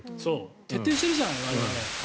徹底しているじゃない我々。